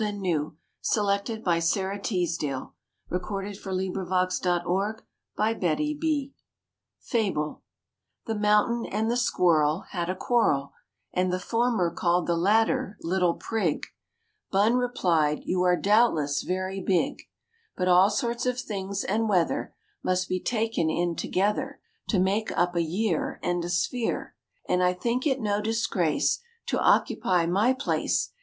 Liberty's in every blow! Forward! let us do, or die! Robert Burns RAINBOW GOLD FABLE THE mountain and the squirrel Had a quarrel, And the former called the latter "Little Prig; Bun replied, "You are doubtless very big; But all sorts of things and weather Must be taken in together, To make up a year And a sphere. And I think it no disgrace To occupy my place.